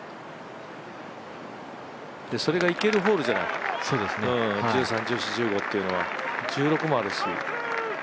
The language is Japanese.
それがいけるホールじゃない１３、１４、１５というのは。